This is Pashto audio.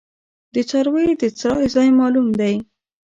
د څارویو د څرائ ځای معلوم دی؟